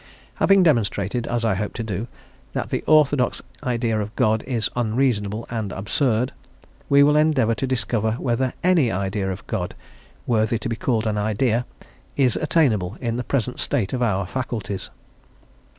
Having demonstrated, as I hope to do, that the orthodox idea of God is unreasonable and absurd, we will endeavour to discover whether any idea of God, worthy to be called an idea, is attainable in the present state of our faculties.